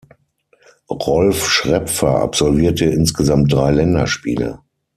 Rolf Schrepfer absolvierte insgesamt drei Länderspiele.